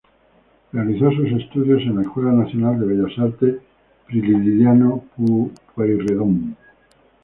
Realizó sus estudios en la Escuela Nacional de Bellas Artes Prilidiano Pueyrredón.